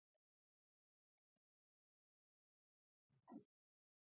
د ځان او اولاد په فکر کې نه وم.